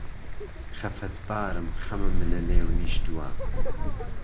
خهفهتبارم خهمم له لێو نیشتووه